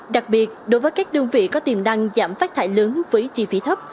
đặc biệt đối với các đơn vị có tiềm năng giảm phát thải lớn với chi phí thấp